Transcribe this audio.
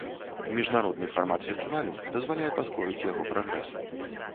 Міжнародны фармат фестывалю дазваляе паскорыць яго прагрэс.